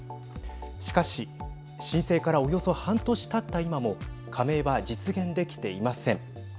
しかし、申請からおよそ半年たった今も加盟は実現できていません。